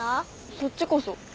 そっちこそ。